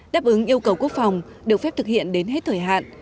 đáp ứng yêu cầu quốc phòng được phép thực hiện đến hết thời hạn